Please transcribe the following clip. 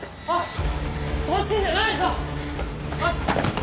あっ！